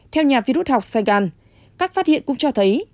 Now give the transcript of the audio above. theo nhà vi rút học saigon các phát hiện cũng cho thấy